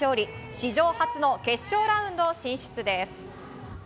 史上初の決勝ラウンド進出です。